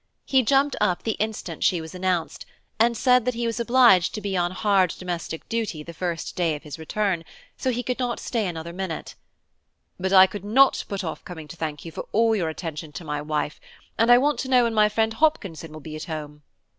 He jumped up the instant she was announced, and said that he was obliged to be on hard domestic duty the first day of his return, so he could not stay another minute. "But I could not put off coming to thank you for all your attention to my wife; and I want to know when my friend Hopkinson will be at home?